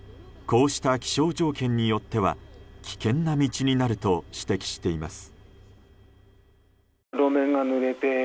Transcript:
こうした気象条件によっては危険な道になると指摘しています。